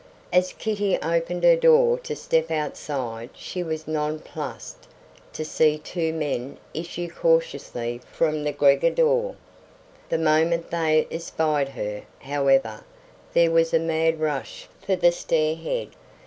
As Kitty opened her door to step outside she was nonplussed to see two men issue cautiously from the Gregor door. The moment they espied her, however, there was a mad rush for the stair head.